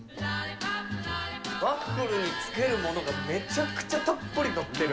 ワッフルにつけるものが、めちゃくちゃたっぷり載ってる。